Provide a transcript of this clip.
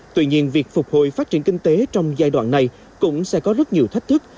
tuy nhiên việc phục hồi phát triển kinh tế trong giai đoạn này cũng sẽ có rất nhiều thách thức